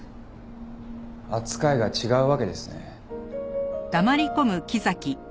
扱いが違うわけですね。